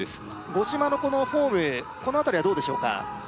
五島のこのフォームこの辺りはどうでしょうか？